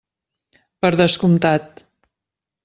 Per descomptat.